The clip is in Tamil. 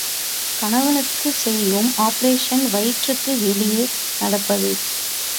கணவனுக்குச் செய்யும் ஆப்பரேஷன் வயிற்றுக்கு வெளியே நடப்பது.